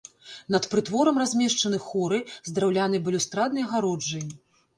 Над прытворам размешчаны хоры з драўлянай балюстраднай агароджай.